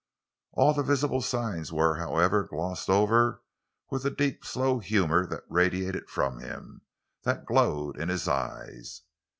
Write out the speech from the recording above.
All the visible signs were, however, glossed over with the deep, slow humor that radiated from him, that glowed in his eyes.